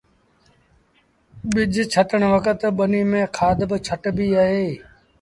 ٻج ڇٽڻ وکت ٻنيٚ ميݩ کآڌ با ڇٽبيٚ اهي